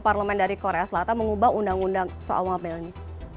parlemen dari korea selatan mengubah undang undang soal mobil ini